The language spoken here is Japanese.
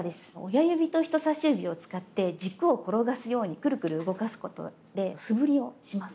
親指と人さし指を使って軸を転がすようにクルクル動かすことで素振りをします。